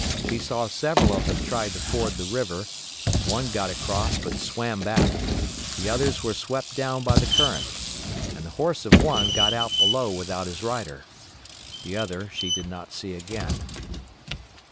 She saw several of them try to ford the river, one got across but swam back, the others were swept down by the current, and the horse of one got out below without his rider. The other she did not see again.